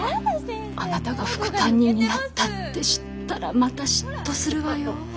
あなたが副担任になったって知ったらまた嫉妬するわよ。